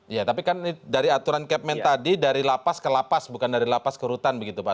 ya tapi kan dari aturan kepmen tadi dari lapas ke lapas bukan dari lapas ke rutan begitu pak